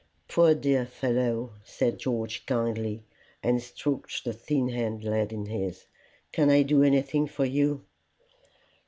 "Poor dear fellow!" said George kindly, and stroked the thin hand laid in his: "can I do anything for you?"